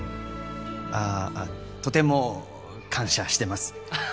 あとても感謝してます